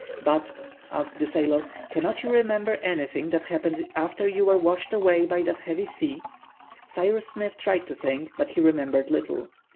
"But," asked the sailor, "cannot you remember anything that happened after you were washed away by that heavy sea?" Cyrus Smith tried to think, but he remembered little.